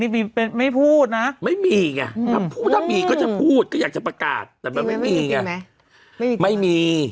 ถ้ามีจะประกาศนานแล้ว